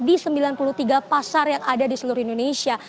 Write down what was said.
di sembilan puluh tiga pasar yang ada di seluruh indonesia